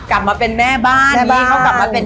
กลับมาเป็นแม่บ้าน